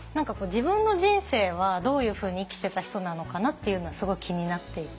自分の人生はどういうふうに生きてた人なのかなっていうのはすごい気になっていて。